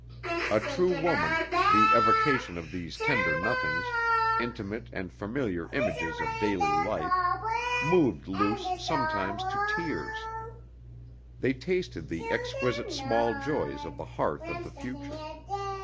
A true woman, the evocation of these tender nothings, intimate and familiar images of daily life, moved Luce sometimes to tears. They tasted the exquisite small joys of the hearth of the future....